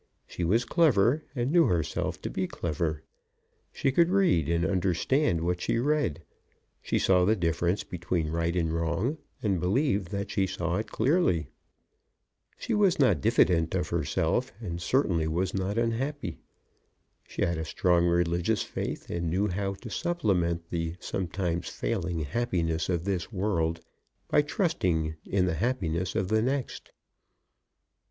She was clever, and knew herself to be clever. She could read, and understood what she read. She saw the difference between right and wrong, and believed that she saw it clearly. She was not diffident of herself, and certainly was not unhappy. She had a strong religious faith, and knew how to supplement the sometimes failing happiness of this world, by trusting in the happiness of the next.